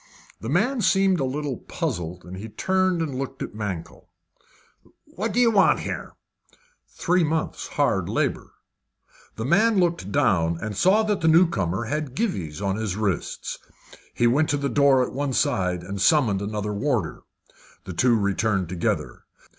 The man seemed a little puzzled. He turned and looked at Mankell. "What do you want here?" "Three months' hard labour." The man looked down and saw that the new comer had gyves upon his wrists. He went to a door at one side, and summoned another warder. The two returned together.